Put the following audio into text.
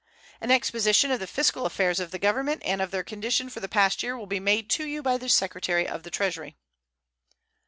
An exposition of the fiscal affairs of the Government and of their condition for the past year will be made to you by the Secretary of the Treasury.